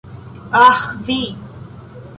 Aĥ, vi.